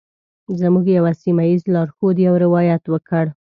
زموږ یوه سیمه ایز لارښود یو روایت وکړ.